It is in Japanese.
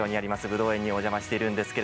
ぶどう園にお邪魔しています。